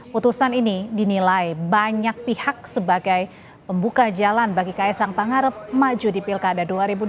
putusan ini dinilai banyak pihak sebagai pembuka jalan bagi ks angpangarep maju di pilkada